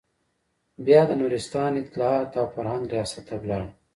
بيا د نورستان اطلاعاتو او فرهنګ رياست ته لاړم.